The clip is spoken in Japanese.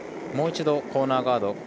もう一度コーナーガード。